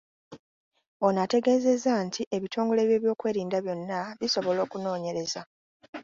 Ono ategeezezza nti ebitongole by’ebyokwerinda byonna bisobola okunoonyereza.